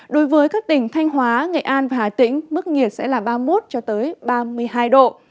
đối với các tỉnh thanh hóa nghệ an và hà tĩnh mức nhiệt sẽ là ba mươi một ba mươi hai độ